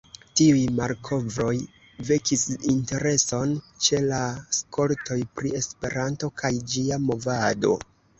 Tiuj malkovroj vekis intereson ĉe la skoltoj pri Esperanto kaj ĝia movado.